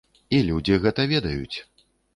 І людзі гэта ведаюць.